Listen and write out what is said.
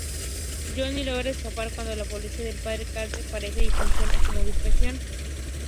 Johnny logra escapar cuando el policía, padre de Kathie, aparece y funciona como distracción.